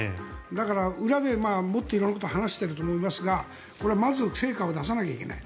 だから、裏でもっと色々なことを話していると思いますがまず成果を出さないといけない。